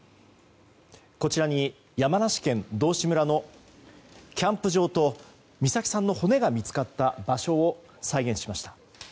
こちらに山梨県道志村のキャンプ場と美咲さんの骨が見つかった場所を再現しました。